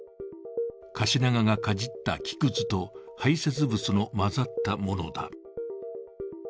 カシナガがかじった木くずと排泄物の混ざったものだ。